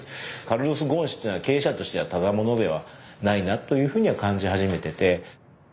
カルロス・ゴーン氏っていうのは経営者としてはただ者ではないなというふうには感じ始めてて。